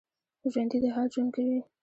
ژوندي د حال ژوند کوي